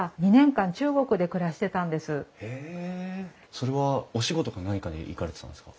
それはお仕事か何かで行かれてたんですか？